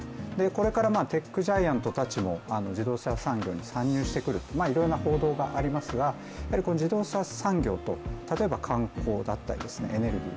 これからテックジャイアントたちも自動車産業に参入してくるいろんな報道がありますが自動車産業と例えば観光だったり、エネルギー